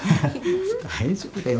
大丈夫だよ。